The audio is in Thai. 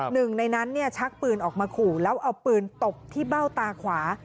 หนึ่งในนั้นชักปืนออกมาขู่แล้วเอาปืนตบที่เบ้าตาขวา